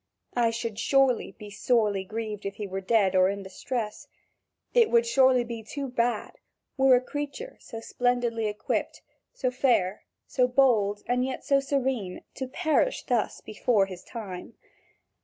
I should surely be sorely grieved if he were dead or in distress. It would surely be too bad, were a creature so splendidly equipped, so fair, so bold, yet so serene, to perish thus before his time.